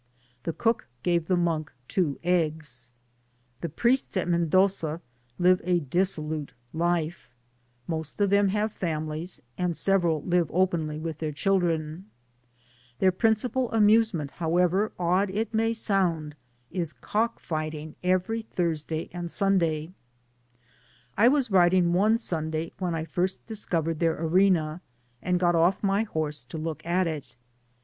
The cook gave the monk two e^^s. The priests at Mendoza lead a dissolute life; most of them have families, and several live openly with thdr childr^* Their principal amusement, how^Ver, Digitized byGoogk 528 DESCRIPTIVE OUTLINE odd as it may sound, is cockfighting every Thurs day and Sunday. I iieas riding one Sunday when I first discovered thdur arena, and got oiF my horse to look at it.